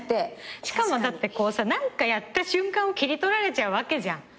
しかもだってこうさ何かやった瞬間を切り取られちゃうわけじゃん。